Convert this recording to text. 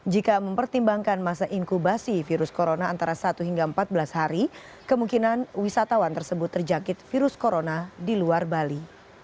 jika mempertimbangkan masa inkubasi virus corona antara satu hingga empat belas hari kemungkinan wisatawan tersebut terjangkit virus corona di luar bali